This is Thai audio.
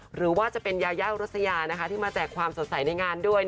หรือว่าจะเป็นยายาอุรัสยาที่มาแจกความสดใสในงานด้วย